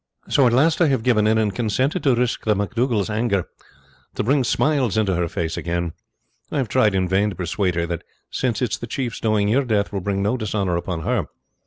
So at last I have given in and consented to risk the MacDougall's anger, to bring smiles into her face again. I have tried in vain to persuade her that since it is the chief's doing, your death will bring no dishonour upon her.